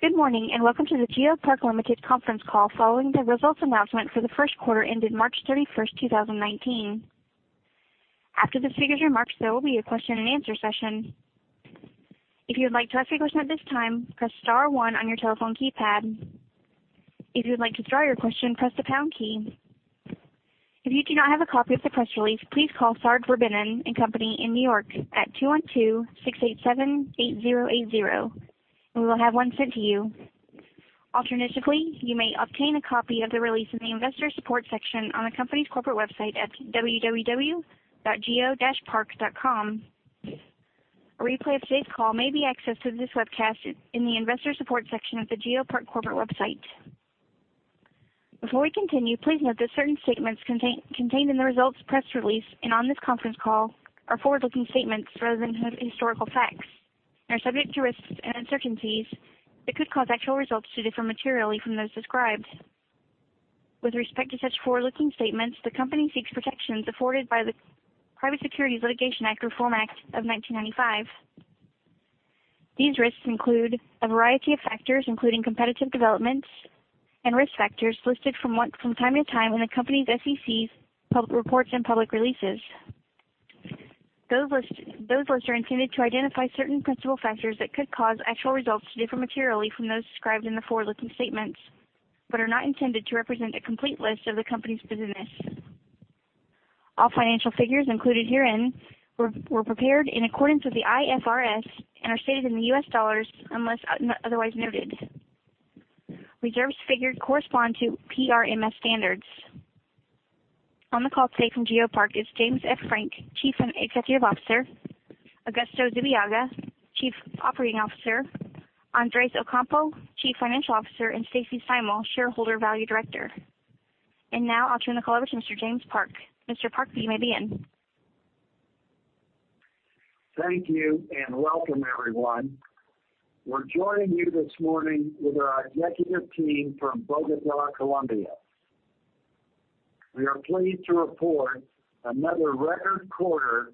Good morning, welcome to the GeoPark Limited conference call following the results announcement for the first quarter ended March 31st, 2019. After the speaker's remarks, there will be a question and answer session. If you would like to ask a question at this time, press star one on your telephone keypad. If you would like to withdraw your question, press the pound key. If you do not have a copy of the press release, please call Sard Verbinnen & Co. in New York at 212-687-8080, we will have one sent to you. Alternatively, you may obtain a copy of the release in the investor support section on the company's corporate website at www.geopark.com. A replay of today's call may be accessed through this webcast in the investor support section of the GeoPark corporate website. Before we continue, please note that certain statements contained in the results press release and on this conference call are forward-looking statements rather than historical facts and are subject to risks and uncertainties that could cause actual results to differ materially from those described. With respect to such forward-looking statements, the company seeks protections afforded by the Private Securities Litigation Reform Act of 1995. These risks include a variety of factors, including competitive developments and risk factors listed from time to time in the company's SEC reports and public releases. Those lists are intended to identify certain principal factors that could cause actual results to differ materially from those described in the forward-looking statements but are not intended to represent a complete list of the company's business. All financial figures included herein were prepared in accordance with the IFRS and are stated in U.S. dollars unless otherwise noted. Reserves figures correspond to PRMS standards. On the call today from GeoPark is James F. Park, Chief Executive Officer, Augusto Zubillaga, Chief Operating Officer, Andres Ocampo, Chief Financial Officer, and Stacy Steimel, Shareholder Value Director. Now I'll turn the call over to Mr. James Park. Mr. Park, you may begin. Thank you, and welcome everyone. We're joining you this morning with our executive team from Bogota, Colombia. We are pleased to report another record quarter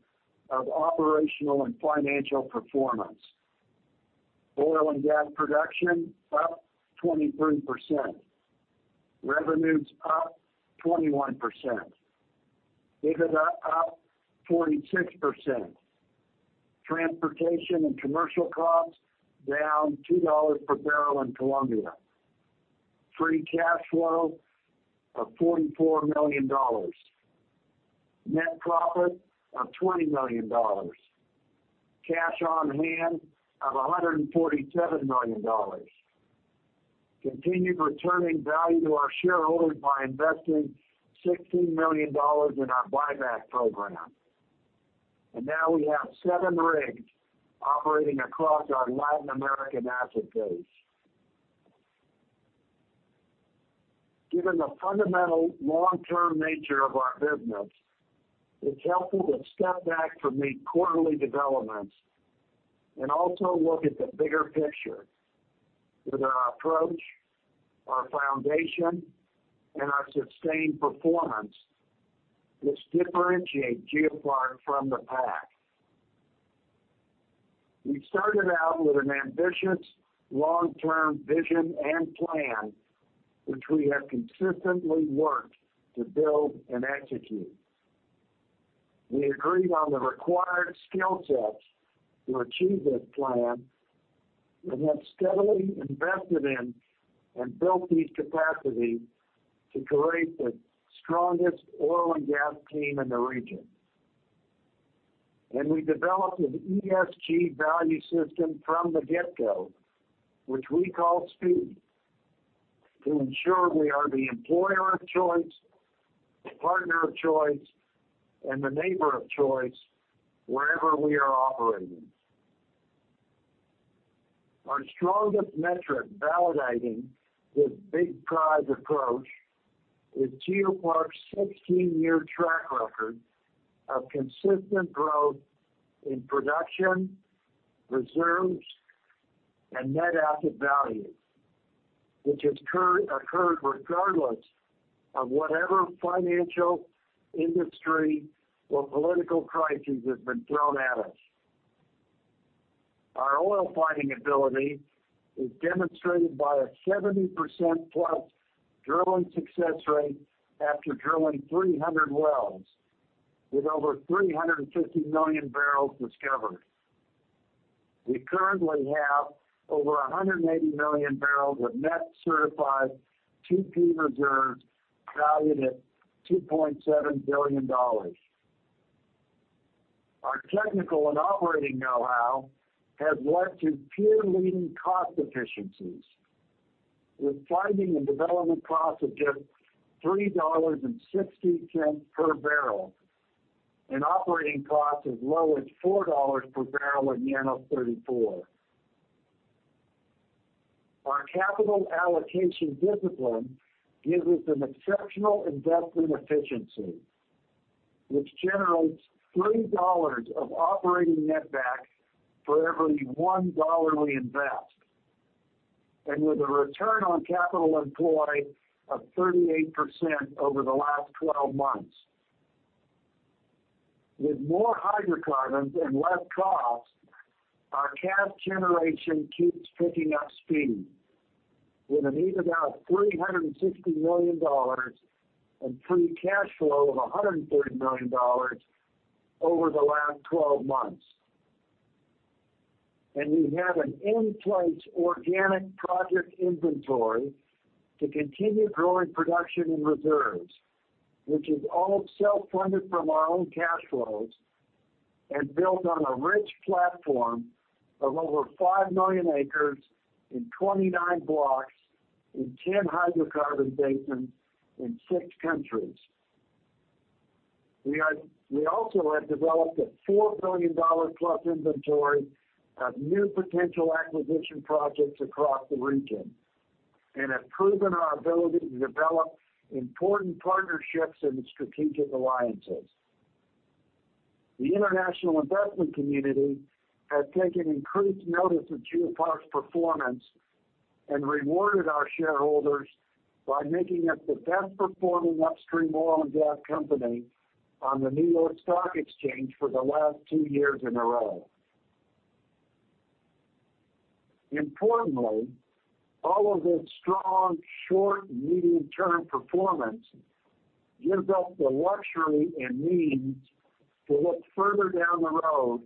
of operational and financial performance. Oil and gas production up 23%. Revenues up 21%. EBITDA up 46%. Transportation and commercial costs down $2 per barrel in Colombia. Free cash flow of $44 million. Net profit of $20 million. Cash on hand of $147 million. Continued returning value to our shareholders by investing $16 million in our buyback program. Now we have seven rigs operating across our Latin American asset base. Given the fundamental long-term nature of our business, it's helpful to step back from the quarterly developments and also look at the bigger picture with our approach, our foundation, and our sustained performance which differentiate GeoPark from the pack. We started out with an ambitious long-term vision and plan, which we have consistently worked to build and execute. We agreed on the required skill sets to achieve this plan and have steadily invested in and built these capacities to create the strongest oil and gas team in the region. We developed an ESG value system from the get-go, which we call SPEED, to ensure we are the employer of choice, the partner of choice, and the neighbor of choice wherever we are operating. Our strongest metric validating this big prize approach is GeoPark's 16-year track record of consistent growth in production, reserves, and net asset value, which has occurred regardless of whatever financial, industry, or political crisis has been thrown at us. Our oil-finding ability is demonstrated by a 70%-plus drilling success rate after drilling 300 wells with over 350 million barrels discovered. We currently have over 180 million barrels of net certified 2P reserves valued at $2.7 billion. Our technical and operating know-how has led to peer-leading cost efficiencies with finding and development costs of just $3.60 per barrel and operating costs as low as $4 per barrel in Llanos 34. Our capital allocation discipline gives us an exceptional investment efficiency, which generates $3 of operating net back for every $1 we invest. With a return on capital employed of 38% over the last 12 months. With more hydrocarbons and less cost, our cash generation keeps picking up speed with an EBITDA of $360 million and free cash flow of $130 million over the last 12 months. We have an in-place organic project inventory to continue growing production and reserves, which is all self-funded from our own cash flows and built on a rich platform of over five million acres in 29 blocks, in 10 hydrocarbon basins, in six countries. We also have developed a $4 billion-plus inventory of new potential acquisition projects across the region and have proven our ability to develop important partnerships and strategic alliances. The international investment community has taken increased notice of GeoPark's performance and rewarded our shareholders by making us the best performing upstream oil and gas company on the New York Stock Exchange for the last two years in a row. Importantly, all of this strong, short, and medium-term performance gives us the luxury and means to look further down the road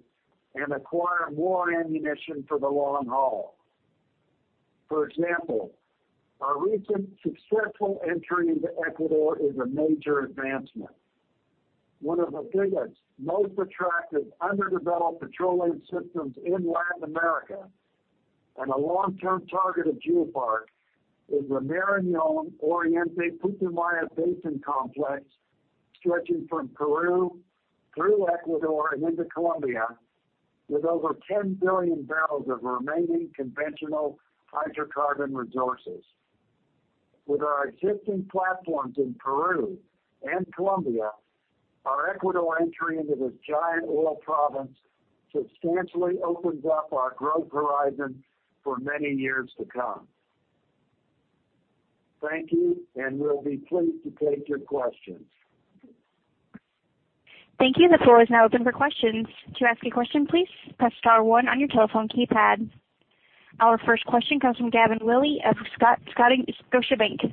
and acquire more ammunition for the long haul. For example, our recent successful entry into Ecuador is a major advancement. One of the biggest, most attractive, underdeveloped petroleum systems in Latin America and a long-term target of GeoPark is the Marañón-Oriente-Putumayo basin complex, stretching from Peru through Ecuador and into Colombia with over 10 billion barrels of remaining conventional hydrocarbon resources. With our existing platforms in Peru and Colombia, our Ecuador entry into this giant oil province substantially opens up our growth horizon for many years to come. Thank you. We'll be pleased to take your questions. Thank you. The floor is now open for questions. To ask a question, please press star one on your telephone keypad. Our first question comes from Gavin Wylie of Scotiabank.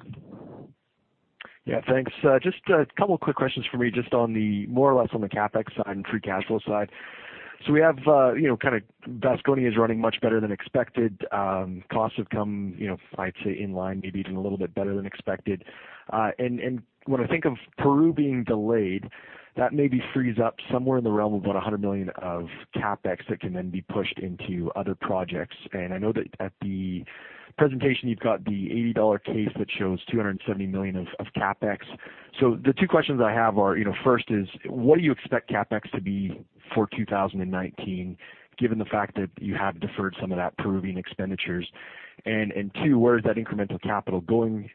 Yeah, thanks. Just a couple quick questions from me, just on the more or less on the CapEx side and free cash flow side. Vasconia is running much better than expected. Costs have come, I'd say in line, maybe even a little bit better than expected. When I think of Peru being delayed, that maybe frees up somewhere in the realm of about $100 million of CapEx that can then be pushed into other projects. I know that at the presentation, you've got the $80 case that shows $270 million of CapEx. The two questions I have are, first is, what do you expect CapEx to be for 2019, given the fact that you have deferred some of that Peruvian expenditures? Two, where is that incremental capital going?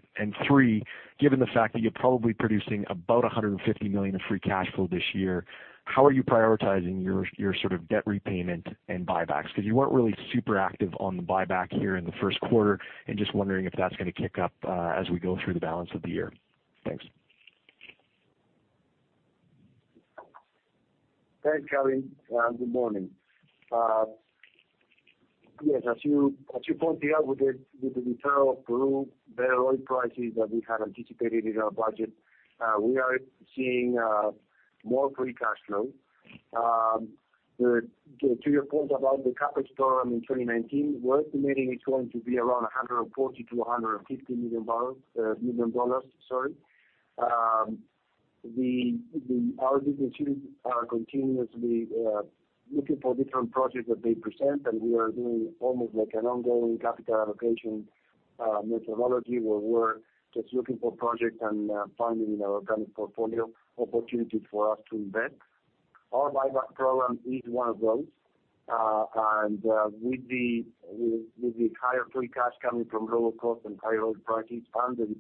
Three, given the fact that you're probably producing about $150 million of free cash flow this year, how are you prioritizing your sort of debt repayment and buybacks? You weren't really super active on the buyback here in the first quarter, and just wondering if that's going to kick up as we go through the balance of the year. Thanks. Thanks, Gavin. Good morning. Yes, as you pointed out, with the deferral of Peru, the oil prices that we had anticipated in our budget, we are seeing more free cash flow. To your point about the CapEx program in 2019, we're estimating it's going to be around $140 million to $150 million. Our business units are continuously looking for different projects that they present, and we are doing almost like an ongoing capital allocation methodology, where we're just looking for projects and finding in our organic portfolio opportunities for us to invest. Our buyback program is one of those. With the higher free cash coming from lower cost and higher oil prices funding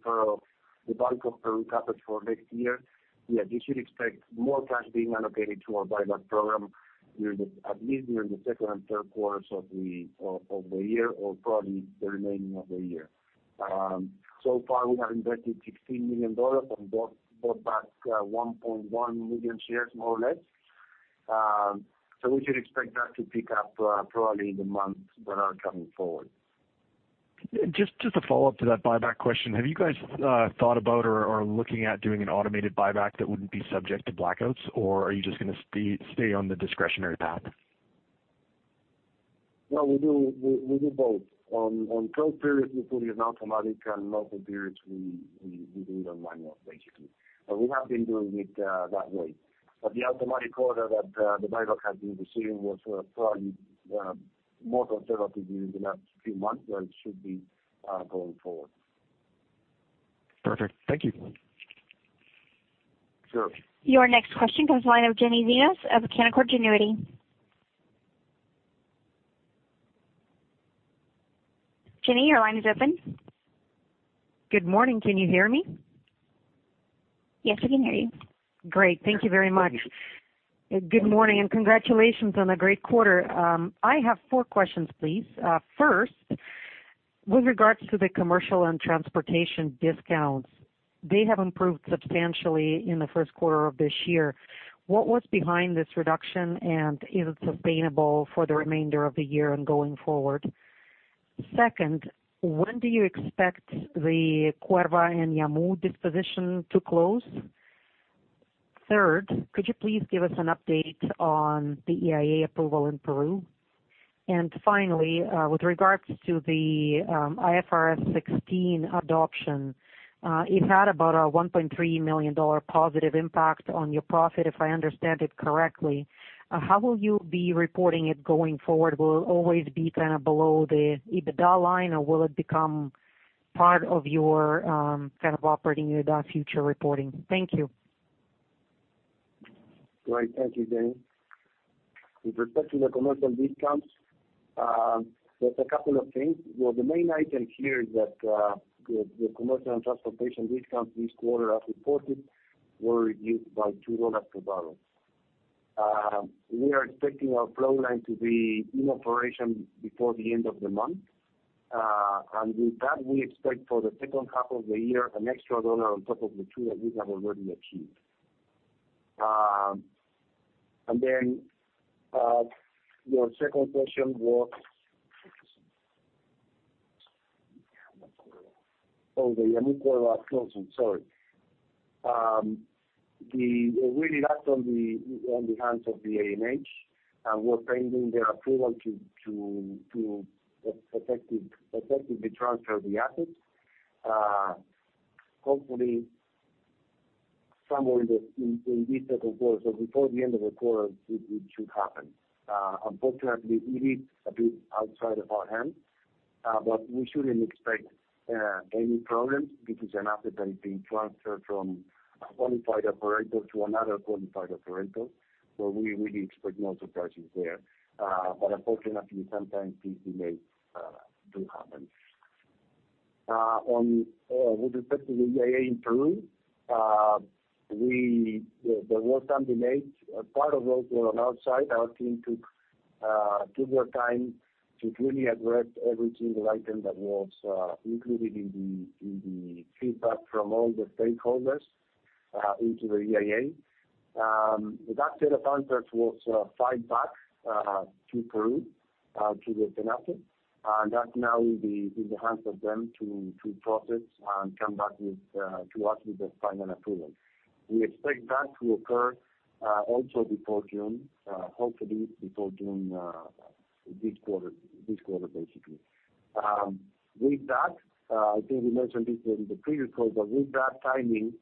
the bulk of Peru CapEx for next year, yes, you should expect more cash being allocated to our buyback program at least during the second and third quarters of the year or probably the remaining of the year. So far, we have invested $16 million and bought back 1.1 million shares, more or less. We should expect that to pick up probably in the months that are coming forward. Just a follow-up to that buyback question. Have you guys thought about or are looking at doing an automated buyback that wouldn't be subject to blackouts, or are you just going to stay on the discretionary path? No, we do both. On 12 periods, we put it as automatic, and local periods, we do it on manual, basically. We have been doing it that way. The automatic order that the buyback has been receiving was probably more conservative during the last few months than it should be going forward. Perfect. Thank you. Sure. Your next question comes from the line of Jenny Xenos of Canaccord Genuity. Jenny, your line is open. Good morning. Can you hear me? Yes, I can hear you. Great. Thank you very much. Good morning, and congratulations on a great quarter. I have four questions, please. First. With regards to the commercial and transportation discounts, they have improved substantially in the first quarter of this year. What was behind this reduction, and is it sustainable for the remainder of the year and going forward? Second, when do you expect the Cuerva and Yamu disposition to close? Third, could you please give us an update on the EIA approval in Peru? Finally, with regards to the IFRS 16 adoption, it had about a $1.3 million positive impact on your profit, if I understand it correctly. How will you be reporting it going forward? Will it always be kind of below the EBITDA line, or will it become part of your kind of operating EBITDA future reporting? Thank you. Thank you, Jenny. With respect to the commercial discounts, there's a couple of things. The main item here is that the commercial and transportation discounts this quarter, as reported, were reduced by $2 per barrel. We are expecting our flow line to be in operation before the end of the month. With that, we expect for the second half of the year, an extra dollar on top of the two that we have already achieved. Your second question was Oh, the Yamu closure. Sorry. It really rests on the hands of the ANH. We're pending their approval to effectively transfer the assets. Hopefully somewhere in this second quarter, so before the end of the quarter, it should happen. Unfortunately, it is a bit outside of our hands. We shouldn't expect any problems. This is an asset that is being transferred from a qualified operator to another qualified operator. We really expect no surprises there. Unfortunately, sometimes these delays do happen. With respect to the EIA in Peru, there was time delayed. Part of those were on our side. Our team took their time to really address every single item that was included in the feedback from all the stakeholders into the EIA. That set of answers was fed back to Peru, to the SENACE. That now will be in the hands of them to process and come back to us with the final approval. We expect that to occur also before June. Hopefully before June, this quarter basically. With that, I think we mentioned this in the previous call, with that timing,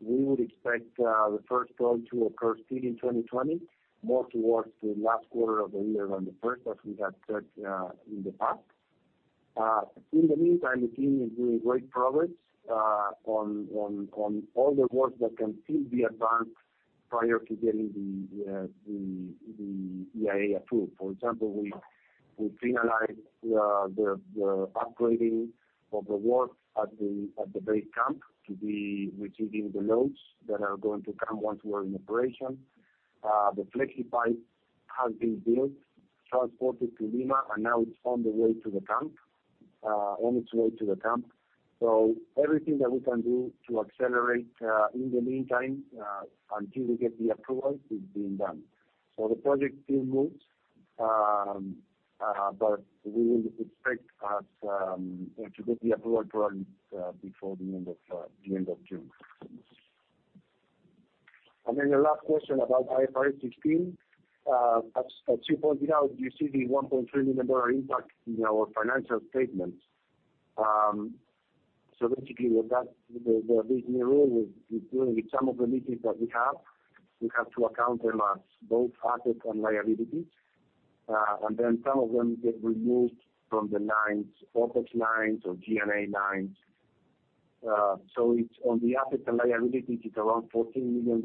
we would expect the first oil to occur still in 2020, more towards the last quarter of the year than the first, as we had said in the past. In the meantime, the team is making great progress on all the work that can still be advanced prior to getting the EIA approved. For example, we finalized the upgrading of the work at the base camp to be receiving the loads that are going to come once we're in operation. The flexi pipe has been built, transported to Lima, and now it's on the way to the camp. Everything that we can do to accelerate in the meantime, until we get the approval, is being done. The project still moves. We will expect to get the approval probably before the end of June. The last question about IFRS 16. As you pointed out, you see the $1.3 million impact in our financial statements. Basically, with that, the reason really is with some of the leases that we have, we have to account them as both assets and liabilities. Some of them get removed from the lines, OpEx lines or G&A lines. On the assets and liabilities, it's around $14 million.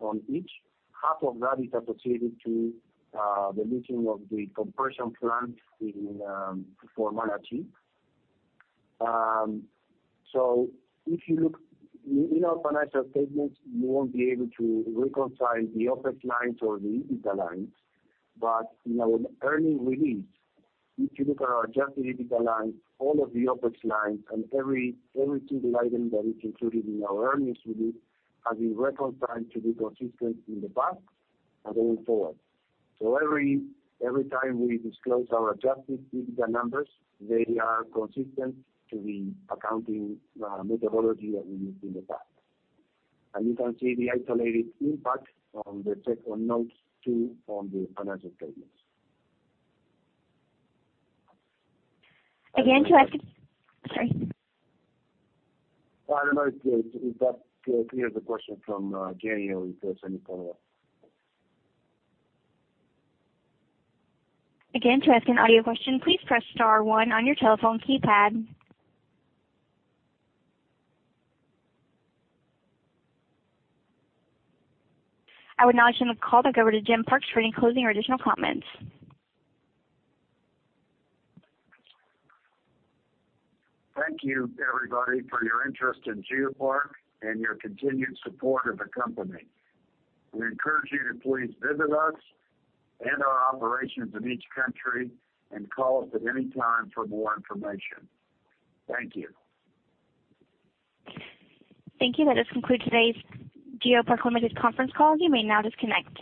On each, half of that is attributed to the leasing of the compression plant for Manati. If you look in our financial statements, you won't be able to reconcile the OpEx lines or the EBITDA lines. In our earnings release, if you look at our adjusted EBITDA lines, all of the OpEx lines, and every single item that is included in our earnings release has been reconciled to be consistent in the past and going forward. Every time we disclose our adjusted EBITDA numbers, they are consistent to the accounting methodology that we used in the past. You can see the isolated impact on the second of note two on the financial statements. Sorry. No, it's okay. I think that was a question from Jenny. Again, to ask an audio question, please press star one on your telephone keypad. I would now turn the call back over to Jim Parks for any closing or additional comments. Thank you everybody for your interest in GeoPark and your continued support of the company. We encourage you to please visit us and our operations in each country and call us at any time for more information. Thank you. Thank you. That does conclude today's GeoPark Limited conference call. You may now disconnect.